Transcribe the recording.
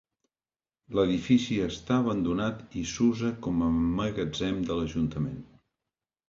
L'edifici està abandonat i s'usa com a magatzem de l'ajuntament.